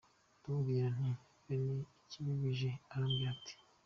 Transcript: ndamubwira nti we nti ni ibiki bije?, arambwira ati .